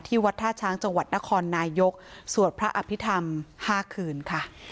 วัดท่าช้างจังหวัดนครนายกสวดพระอภิษฐรรม๕คืนค่ะ